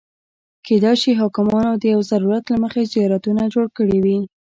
کېدای شي حاکمانو د یو ضرورت له مخې زیارتونه جوړ کړي وي.